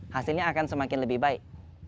hasilnya akan semakin lebih baik